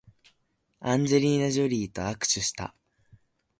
アンジェリーナジョリーと握手した